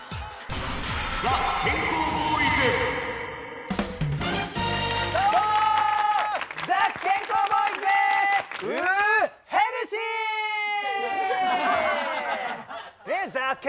ザ☆健康ボーイズね